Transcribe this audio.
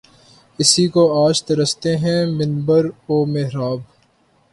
اسی کو آج ترستے ہیں منبر و محراب